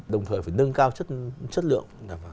đồng thời phải nâng cao chất lượng